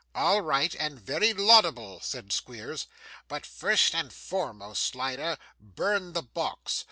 'All right, and very laudable,' said Squeers. 'But, first and foremost, Slider, burn the box.